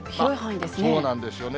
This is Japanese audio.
そうなんですよね。